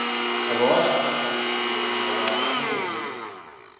Abawala baava mu ssomero nga baakafuna embuto.